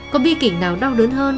có bi kỉnh nào đau đớn hơn